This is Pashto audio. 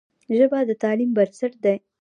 ژبه د تعلیم بنسټ دی.